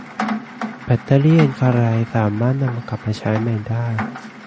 แบตเตอรี่อัลคาไลน์สามารถนำกลับมาใช้ใหม่ได้